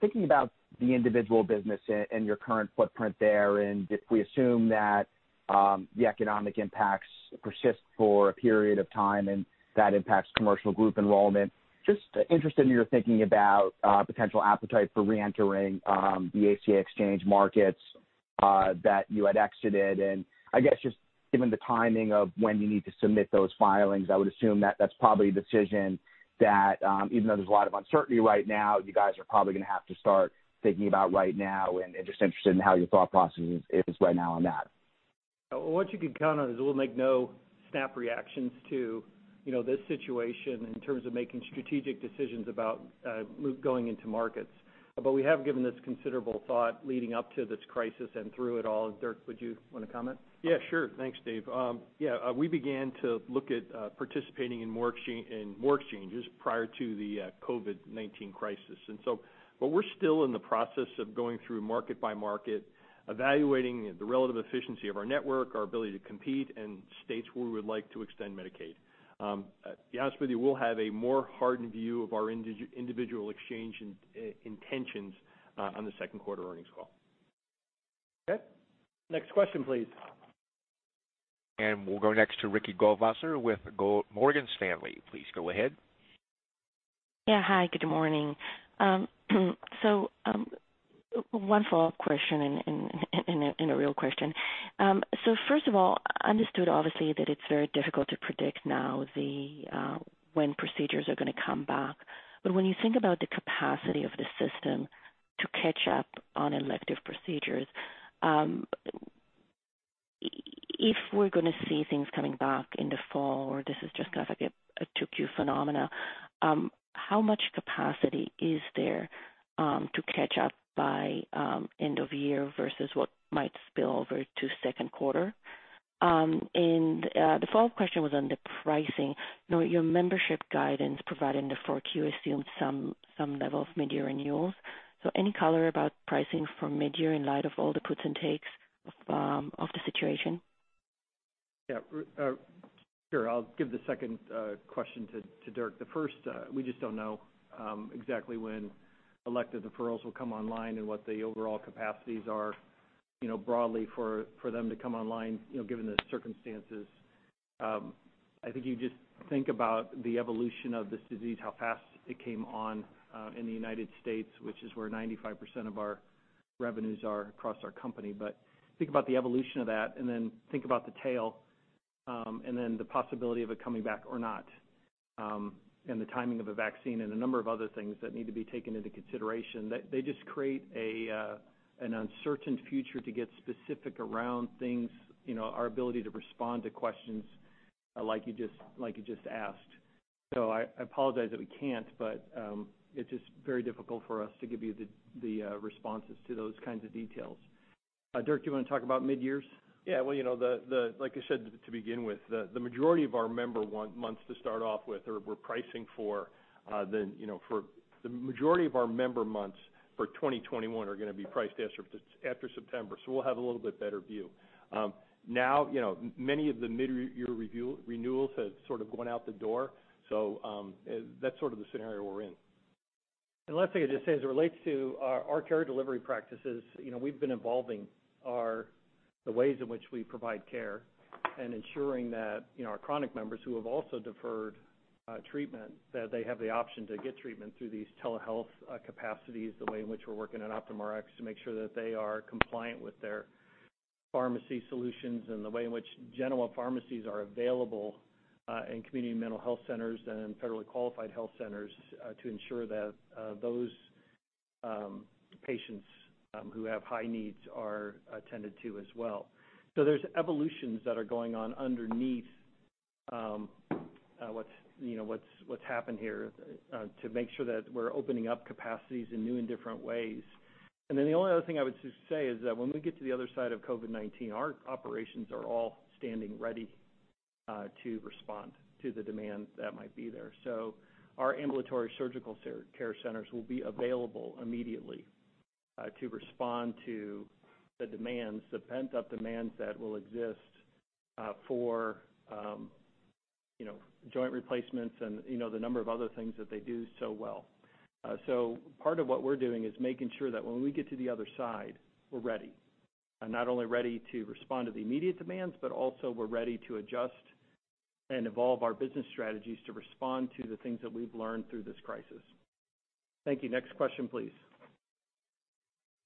thinking about the individual business and your current footprint there, and if we assume that the economic impacts persist for a period of time and that impacts commercial group enrollment, just interested in your thinking about potential appetite for reentering the ACA exchange markets that you had exited. I guess just given the timing of when you need to submit those filings, I would assume that that's probably a decision that, even though there's a lot of uncertainty right now, you guys are probably going to have to start thinking about right now, and just interested in how your thought process is right now on that. What you can count on is we'll make no snap reactions to this situation in terms of making strategic decisions about going into markets. We have given this considerable thought leading up to this crisis and through it all. Dirk, would you want to comment? Yeah, sure. Thanks, Dave. We began to look at participating in more exchanges prior to the COVID-19 crisis. We're still in the process of going through market by market, evaluating the relative efficiency of our network, our ability to compete, and states where we would like to extend Medicaid. To be honest with you, we'll have a more hardened view of our individual exchange intentions on the second quarter earnings call. Okay. Next question please. We'll go next to Ricky Goldwasser with Morgan Stanley. Please go ahead. Yeah, hi. Good morning. One follow-up question and a real question. First of all, understood obviously that it's very difficult to predict now when procedures are going to come back. When you think about the capacity of the system to catch up on elective procedures, if we're going to see things coming back in the fall, or this is just kind of like a 2Q phenomena, how much capacity is there to catch up by end of year versus what might spill over to second quarter? The follow-up question was on the pricing. Your membership guidance provided in the 4Q assumed some level of mid-year renewals. Any color about pricing for mid-year in light of all the puts and takes of the situation? Yeah. Sure. I'll give the second question to Dirk. The first, we just don't know exactly when elective deferrals will come online and what the overall capacities are broadly for them to come online, given the circumstances. I think you just think about the evolution of this disease, how fast it came on in the United States, which is where 95% of our revenues are across our company. Think about the evolution of that, and then think about the tail, and then the possibility of it coming back or not. The timing of a vaccine and a number of other things that need to be taken into consideration. They just create an uncertain future to get specific around things, our ability to respond to questions like you just asked. I apologize that we can't, but it's just very difficult for us to give you the responses to those kinds of details. Dirk, do you want to talk about mid-years? Yeah. Like I said to begin with, the majority of our member months for 2021 are going to be priced after September, so we'll have a little bit better view. Now, many of the mid-year renewals have sort of gone out the door. That's sort of the scenario we're in. Last thing I'd just say, as it relates to our care delivery practices, we've been evolving the ways in which we provide care and ensuring that our chronic members who have also deferred treatment, that they have the option to get treatment through these telehealth capacities, the way in which we're working at OptumRx to make sure that they are compliant with their pharmacy solutions and the way in which general pharmacies are available in community mental health centers and federally qualified health centers to ensure that those patients who have high needs are attended to as well. There's evolutions that are going on underneath what's happened here to make sure that we're opening up capacities in new and different ways. The only other thing I would just say is that when we get to the other side of COVID-19, our operations are all standing ready to respond to the demands that might be there. Our ambulatory surgical care centers will be available immediately to respond to the demands, the pent-up demands that will exist for joint replacements and the number of other things that they do so well. Part of what we're doing is making sure that when we get to the other side, we're ready. Not only ready to respond to the immediate demands, but also we're ready to adjust and evolve our business strategies to respond to the things that we've learned through this crisis. Thank you. Next question, please.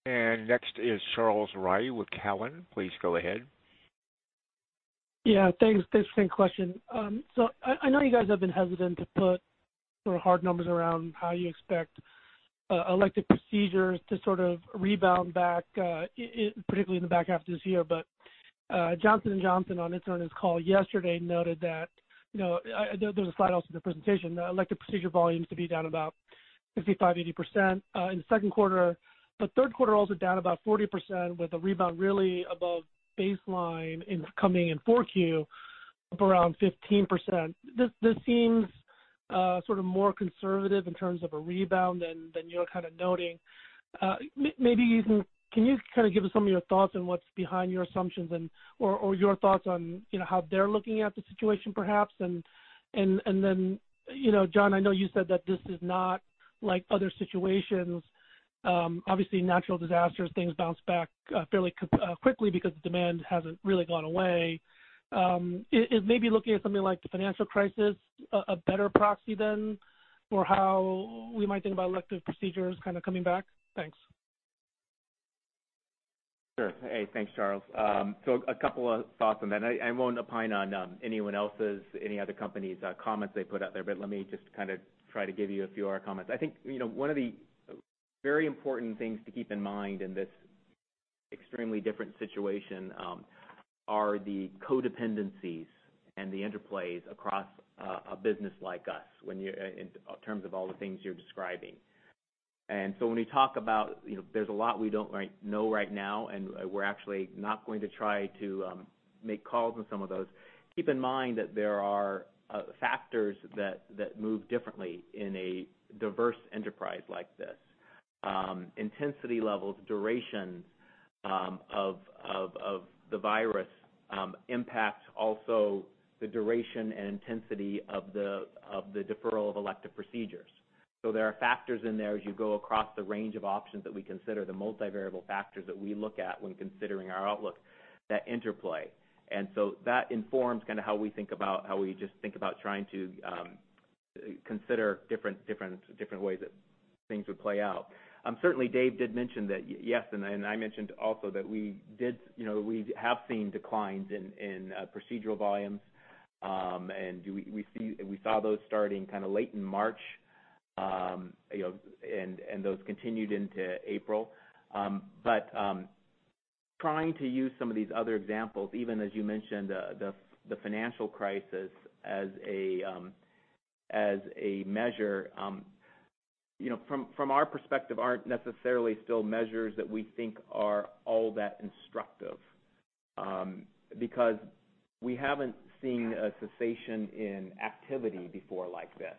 Next is Charles Rhyee with Cowen. Please go ahead. Yeah, thanks. Thanks for taking the question. I know you guys have been hesitant to put sort of hard numbers around how you expect elective procedures to sort of rebound back, particularly in the back half of this year. Johnson & Johnson on its earnings call yesterday noted that, there was a slide also in the presentation, elective procedure volumes to be down about 55%-80% in the second quarter. Third quarter also down about 40% with a rebound really above baseline coming in 4Q of around 15%. This seems sort of more conservative in terms of a rebound than you're kind of noting. Maybe, can you kind of give us some of your thoughts on what's behind your assumptions and, or your thoughts on how they're looking at the situation perhaps? Then, John, I know you said that this is not like other situations. Obviously natural disasters, things bounce back fairly quickly because the demand hasn't really gone away. Is maybe looking at something like the financial crisis a better proxy then for how we might think about elective procedures kind of coming back? Thanks. Sure. Hey, thanks, Charles. A couple of thoughts on that. I won't opine on anyone else's, any other company's comments they put out there, but let me just kind of try to give you a few of our comments. I think one of the very important things to keep in mind in this extremely different situation are the codependencies and the interplays across a business like us in terms of all the things you're describing. When we talk about there's a lot we don't know right now, and we're actually not going to try to make calls on some of those, keep in mind that there are factors that move differently in a diverse enterprise like this. Intensity levels, duration of the virus impacts also the duration and intensity of the deferral of elective procedures. There are factors in there as you go across the range of options that we consider, the multivariable factors that we look at when considering our outlook, that interplay. That informs kind of how we just think about trying to consider different ways that things would play out. Certainly, Dave did mention that, yes, and I mentioned also that we have seen declines in procedural volumes. We saw those starting kind of late in March. Those continued into April. Trying to use some of these other examples, even as you mentioned, the financial crisis as a measure, from our perspective, aren't necessarily still measures that we think are all that instructive, because we haven't seen a cessation in activity before like this.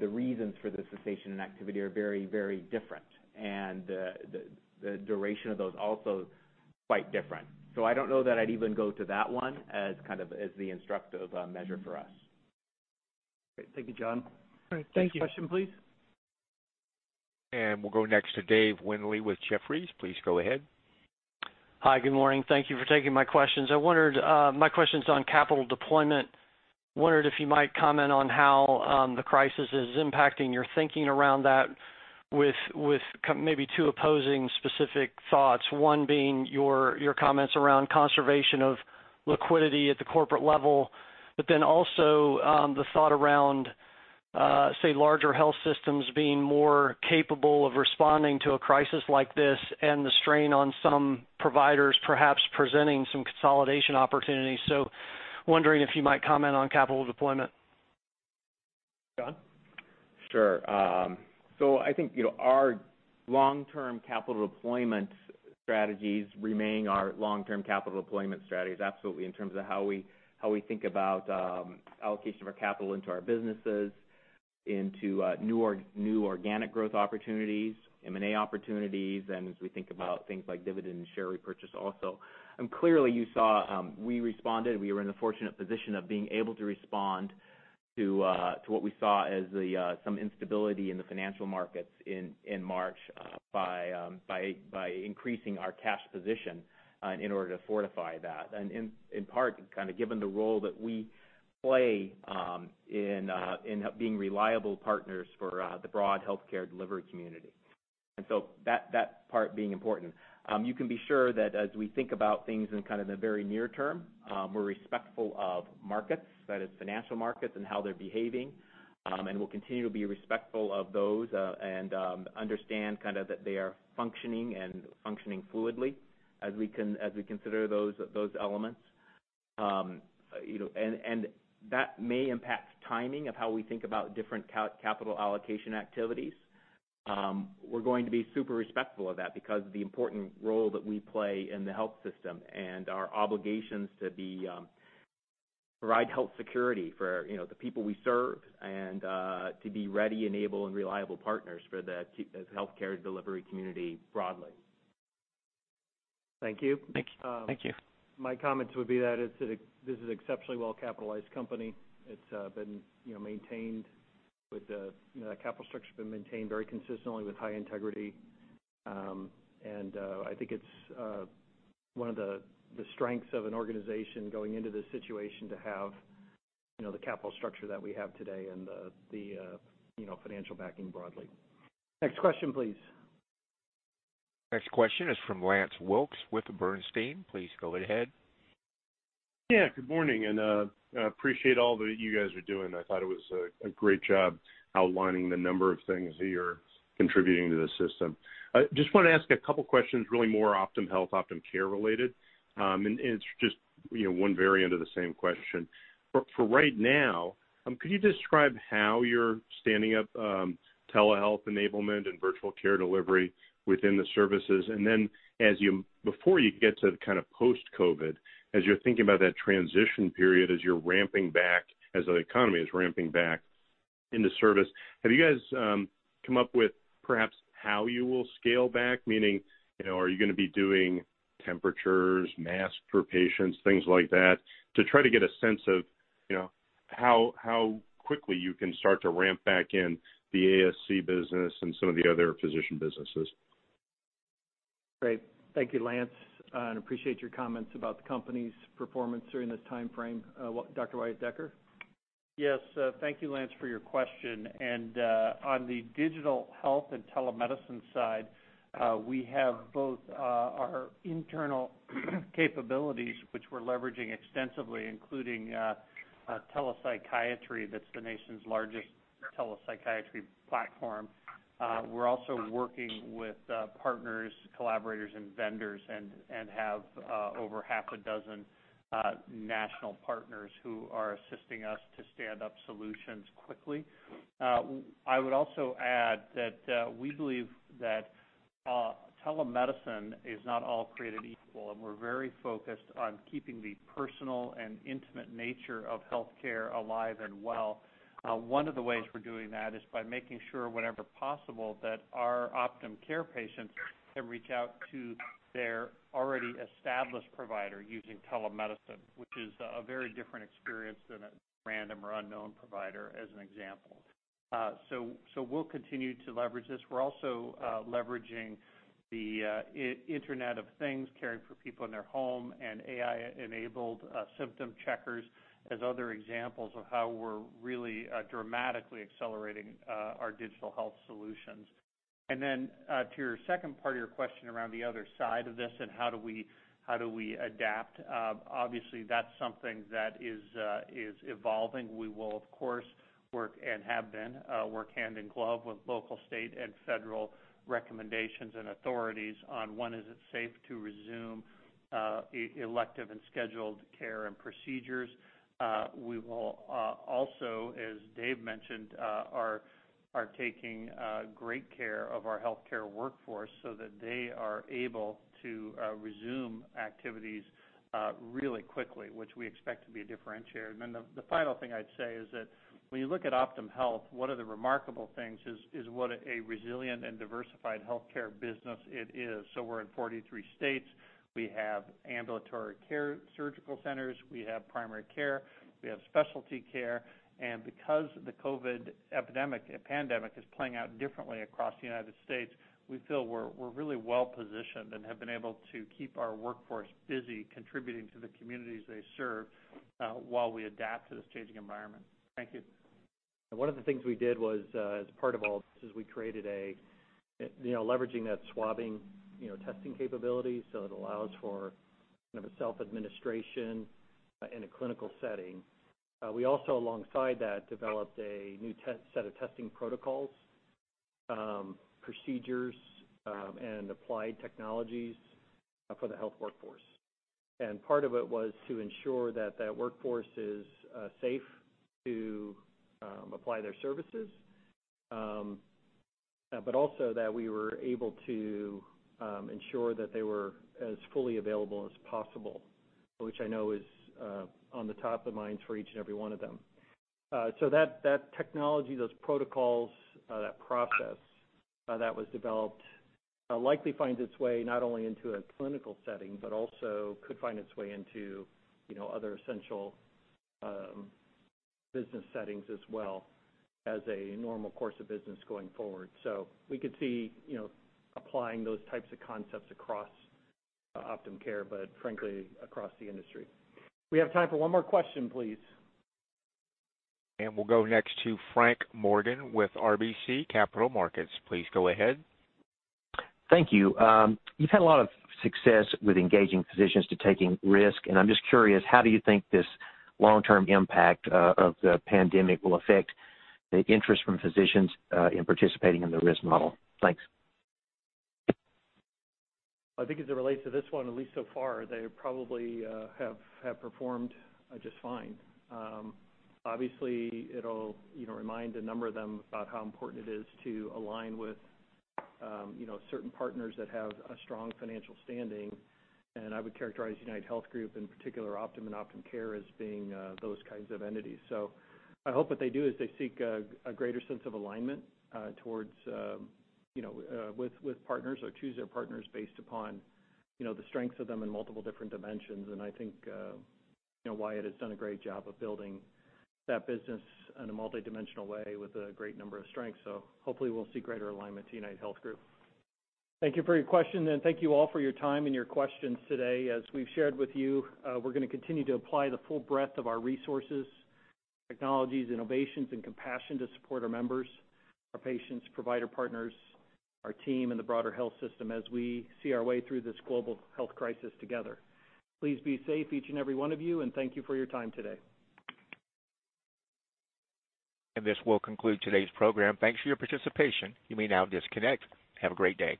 The reasons for the cessation in activity are very different, and the duration of those also quite different. I don't know that I'd even go to that one as the instructive measure for us. Great. Thank you, John. All right. Thank you. Next question, please. We'll go next to Dave Windley with Jefferies. Please go ahead. Hi. Good morning. Thank you for taking my questions. My question's on capital deployment. Wondered if you might comment on how the crisis is impacting your thinking around that with maybe two opposing specific thoughts. One being your comments around conservation of liquidity at the corporate level, then also the thought around, say, larger health systems being more capable of responding to a crisis like this, and the strain on some providers perhaps presenting some consolidation opportunities. Wondering if you might comment on capital deployment. John? Sure. I think, our long-term capital deployment strategies remain our long-term capital deployment strategies, absolutely, in terms of how we think about allocation of our capital into our businesses, into new organic growth opportunities, M&A opportunities, and as we think about things like dividend and share repurchase also. Clearly, you saw we responded. We were in the fortunate position of being able to respond to what we saw as some instability in the financial markets in March by increasing our cash position in order to fortify that. In part, kind of given the role that we play in being reliable partners for the broad healthcare delivery community. That part being important. You can be sure that as we think about things in kind of the very near term, we're respectful of markets, that is financial markets and how they're behaving. We'll continue to be respectful of those and understand that they are functioning and functioning fluidly as we consider those elements. That may impact timing of how we think about different capital allocation activities. We're going to be super respectful of that because of the important role that we play in the health system and our obligations to provide health security for the people we serve and to be ready and able and reliable partners for the healthcare delivery community broadly. Thank you. Thank you. My comments would be that this is an exceptionally well-capitalized company. The capital structure's been maintained very consistently with high integrity. I think it's one of the strengths of an organization going into this situation to have the capital structure that we have today and the financial backing broadly. Next question, please. Next question is from Lance Wilkes with Bernstein. Please go ahead. Yeah, good morning, appreciate all that you guys are doing. I thought it was a great job outlining the number of things that you're contributing to the system. Just want to ask a couple questions, really more OptumHealth, OptumCare related. It's just one variant of the same question. For right now, could you describe how you're standing up telehealth enablement and virtual care delivery within the services? Before you get to the kind of post-COVID, as you're thinking about that transition period, as you're ramping back, as the economy is ramping back into service, have you guys come up with perhaps how you will scale back? Meaning, are you going to be doing temperatures, masks for patients, things like that, to try to get a sense of how quickly you can start to ramp back in the ASC business and some of the other physician businesses? Great. Thank you, Lance, and appreciate your comments about the company's performance during this timeframe. Dr. Wyatt Decker? Yes. Thank you, Lance, for your question. On the digital health and telemedicine side, we have both our internal capabilities, which we're leveraging extensively, including telepsychiatry. That's the nation's largest telepsychiatry platform. We're also working with partners, collaborators, and vendors and have over half a dozen national partners who are assisting us to stand up solutions quickly. I would also add that we believe that telemedicine is not all created equal, and we're very focused on keeping the personal and intimate nature of healthcare alive and well. One of the ways we're doing that is by making sure, whenever possible, that our OptumCare patients can reach out to their already established provider using telemedicine, which is a very different experience than a random or unknown provider, as an example. We'll continue to leverage this. We're also leveraging the internet of things, caring for people in their home, and AI-enabled symptom checkers as other examples of how we're really dramatically accelerating our digital health solutions. To your second part of your question around the other side of this and how do we adapt, obviously that's something that is evolving. We will, of course, work, and have been, work hand in glove with local, state, and federal recommendations and authorities on when is it safe to resume elective and scheduled care and procedures. We will also, as Dave mentioned, are taking great care of our healthcare workforce so that they are able to resume activities really quickly, which we expect to be a differentiator. The final thing I'd say is that when you look at OptumHealth, one of the remarkable things is what a resilient and diversified healthcare business it is. We're in 43 states. We have ambulatory care surgical centers. We have primary care. We have specialty care. Because the COVID pandemic is playing out differently across the United States, we feel we're really well-positioned and have been able to keep our workforce busy contributing to the communities they serve while we adapt to this changing environment. Thank you. One of the things we did was, as part of all this, is we created, leveraging that swabbing testing capability, so it allows for self-administration in a clinical setting. We also, alongside that, developed a new set of testing protocols, procedures, and applied technologies for the health workforce. Part of it was to ensure that workforce is safe to apply their services, but also that we were able to ensure that they were as fully available as possible, which I know is on the top of minds for each and every one of them. That technology, those protocols, that process that was developed likely finds its way not only into a clinical setting, but also could find its way into other essential business settings as well as a normal course of business going forward. We could see applying those types of concepts across OptumCare, but frankly, across the industry. We have time for one more question, please. We'll go next to Frank Morgan with RBC Capital Markets. Please go ahead. Thank you. You've had a lot of success with engaging physicians to taking risk, and I'm just curious, how do you think this long-term impact of the pandemic will affect the interest from physicians in participating in the risk model? Thanks. I think as it relates to this one, at least so far, they probably have performed just fine. Obviously, it'll remind a number of them about how important it is to align with certain partners that have a strong financial standing, and I would characterize UnitedHealth Group, in particular Optum and OptumCare, as being those kinds of entities. I hope what they do is they seek a greater sense of alignment with partners or choose their partners based upon the strengths of them in multiple different dimensions. I think Wyatt has done a great job of building that business in a multidimensional way with a great number of strengths. Hopefully, we'll see greater alignment to UnitedHealth Group. Thank you for your question, and thank you all for your time and your questions today. As we've shared with you, we're going to continue to apply the full breadth of our resources, technologies, innovations, and compassion to support our members, our patients, provider partners, our team, and the broader health system as we see our way through this global health crisis together. Please be safe, each and every one of you, and thank you for your time today. This will conclude today's program. Thanks for your participation. You may now disconnect. Have a great day.